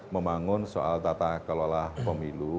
membangun soal tata kelola pemilu